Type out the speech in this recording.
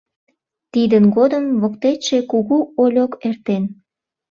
Тидын годым воктечше Кугу Ольок эртен.